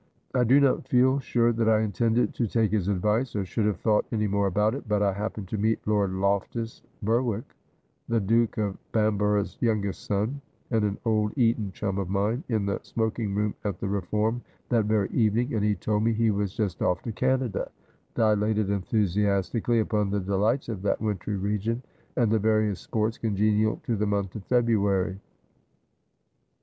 I do not feel sure that I intended to take his advice, or should have thought any more about it ; but I happened to meet Lord Lof tus Ber wick, the Duke of Bamborough's youngest son, and an old Eton chum of mine, in the smoking room at the Reform that very evening, and he told me he was just off to Canada, dilated 'And come agen, he it hy Day or Night' 255 enthusiastically upon the delights of that wintry region, and the various sports congenial to the month of February.